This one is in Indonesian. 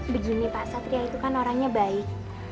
begini pak satria itu kan orangnya baik